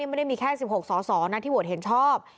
ไม่ได้มีแค่๑๖สอสอนะที่โหวตเห็นชอบ